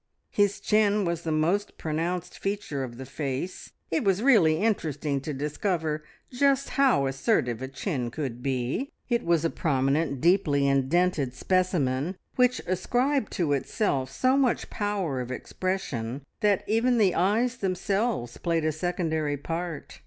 His chin was the most pronounced feature of the face it was really interesting to discover just how assertive a chin could be. It was a prominent, deeply indented specimen, which ascribed to itself so much power of expression that even the eyes themselves played a secondary part.